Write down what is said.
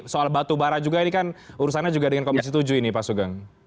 soal batubara juga ini kan urusannya juga dengan komisi tujuh ini pak sugeng